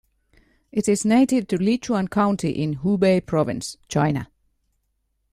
It is native to Lichuan county in Hubei province, China.